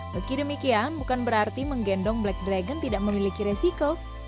meski demikian bukan berarti menggendong black dragon tidak memiliki resiko